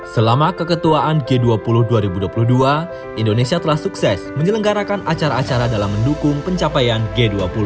selama keketuaan g dua puluh dua ribu dua puluh dua indonesia telah sukses menyelenggarakan acara acara dalam mendukung pencapaian g dua puluh